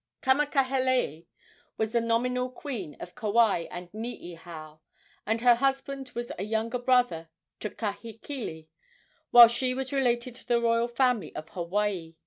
Kamakahelei was the nominal queen of Kauai and Niihau, and her husband was a younger brother to Kahekili, while she was related to the royal family of Hawaii.